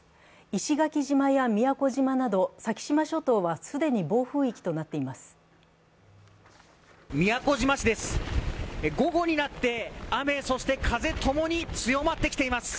石垣島や宮古島など先島諸島は既に暴風域となっています。